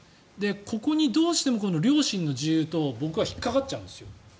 ここにどうしても良心の自由に僕は引っかかっちゃうんですよ。